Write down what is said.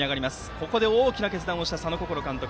ここで大きな決断をした佐野心監督。